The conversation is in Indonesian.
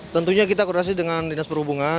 tentunya kita koordinasi dengan dinas perhubungan